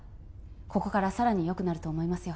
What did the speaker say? ここからさらに良くなると思いますよ